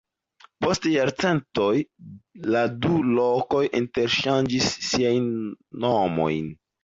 Post jarcentoj la du lokoj interŝanĝis siajn nomojn.